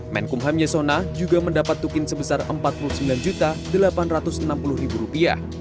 menkumham yesona juga mendapat tukin sebesar rp empat puluh sembilan delapan ratus enam puluh